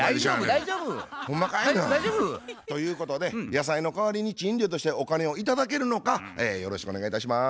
大丈夫大丈夫。ということで野菜の代わりに賃料としてお金を頂けるのかよろしくお願いいたします。